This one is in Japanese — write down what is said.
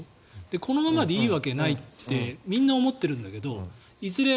このままでいいわけないってみんな思ってるんだけどいずれ